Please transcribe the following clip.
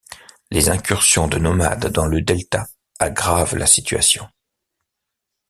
Les incursions de nomades dans le delta aggravent la situation.